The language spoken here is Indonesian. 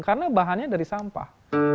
karena bahannya dari sampah